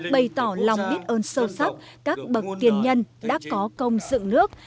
bày tỏ lòng biết ơn sâu sắc các bậc tiền nhân đã có công dựng nước